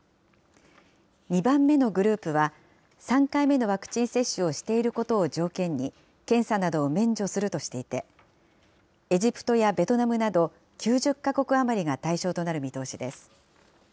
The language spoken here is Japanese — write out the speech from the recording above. ２番目のグループは、３回目のワクチン接種をしていることを条件に、検査などを免除するとしていて、エジプトやベトナムなど、９０か国余りが対象となる見通しです。